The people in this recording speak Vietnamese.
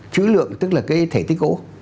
chữ lượng tức là cái thể tích ổ